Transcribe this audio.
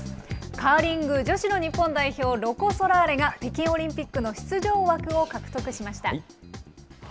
カーリング女子の日本代表、ロコ・ソラーレが、北京オリンピックの出場枠を獲得しました。